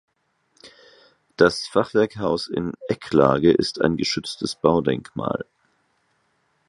Das Fachwerkhaus in Ecklage ist ein geschütztes Baudenkmal.